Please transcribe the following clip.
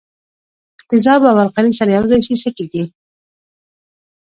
که تیزاب او القلي سره یوځای شي څه کیږي.